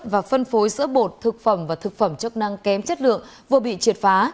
sản xuất và phân phối sữa bột thực phẩm và thực phẩm chất năng kém chất lượng vừa bị triệt phá